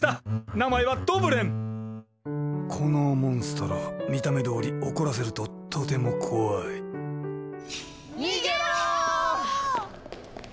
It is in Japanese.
名前はこのモンストロ見た目どおり怒らせるととても怖い逃げろ！